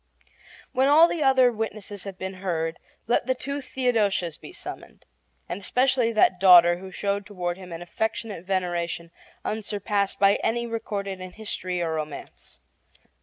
When all the other witnesses have been heard, let the two Theodosias be summoned, and especially that daughter who showed toward him an affectionate veneration unsurpassed by any recorded in history or romance.